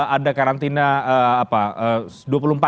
ada karantina dua puluh empat jam